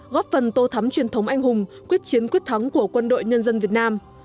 góp phần tô thắm truyền thống anh hùng quyết chiến quyết thắng của quân đội nhân dân việt nam